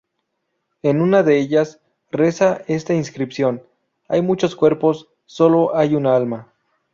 En una de ellas, reza esta inscripción: "Hay muchos cuerpos, sólo hay un alma".